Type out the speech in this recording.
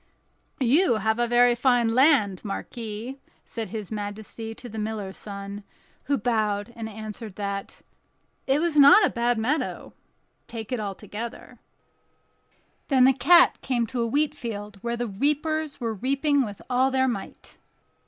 "You have very fine land, marquis," said his majesty to the miller's son, who bowed, and answered that "it was not a bad meadow, take it altogether." Then the cat came to a wheat field, where the reapers were reaping with all their might.